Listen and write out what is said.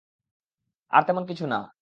আর তেমন কিছু না।